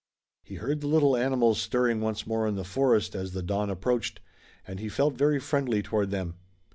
He heard the little animals stirring once more in the forest as the dawn approached, and he felt very friendly toward them.